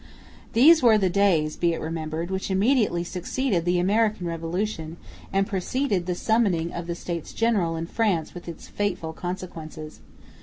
These were the days, be it remembered, which immediately succeeded the American Revolution and preceded the summoning of the States General in France with its fateful consequences.